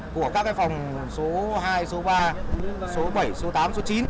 của các phòng số hai số ba số bảy số tám số chín